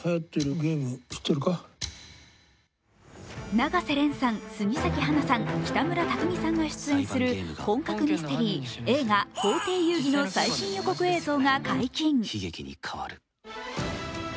永瀬廉さん、杉咲花さん、北村匠海さんが出演する本格ミステリー映画「法廷遊戯」の最新予告映像が解禁。